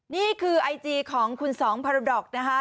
นี่คือไอจีของคุณสองพาราดอกนะคะ